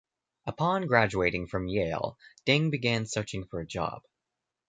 Upon graduation from Yale, Deng began searching for a job.